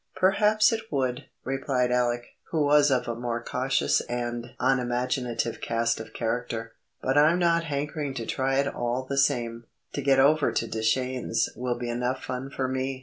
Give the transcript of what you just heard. "Perhaps it would," replied Alec, who was of a more cautious and unimaginative cast of character. "But I'm not hankering to try it all the same. To get over to Deschenes will be enough fun for me."